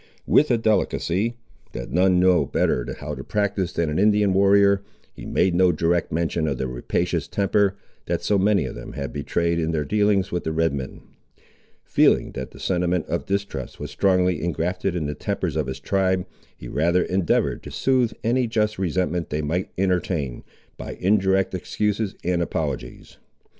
With a delicacy, that none know better how to practise than an Indian warrior, he made no direct mention of the rapacious temper, that so many of them had betrayed, in their dealings with the Red men. Feeling that the sentiment of distrust was strongly engrafted in the tempers of his tribe, he rather endeavoured to soothe any just resentment they might entertain, by indirect excuses and apologies.